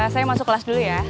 saya masuk kelas dulu ya